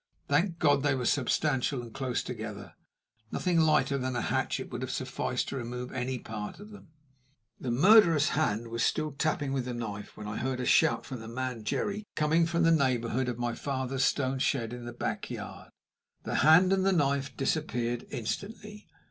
Thank God, they were substantial and close together! Nothing lighter than a hatchet would have sufficed to remove any part of them. The murderous hand was still tapping with the knife when I heard a shout from the man Jerry, coming from the neighborhood of my father's stone shed in the back yard. The hand and knife disappeared instantly.